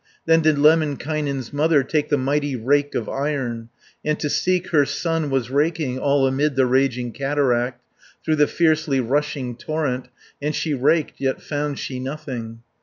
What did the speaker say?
Then did Lemminkainen's mother Take the mighty rake of iron, 240 And to seek her son was raking All amid the raging cataract, Through the fiercely rushing torrent, And she raked, yet found she nothing.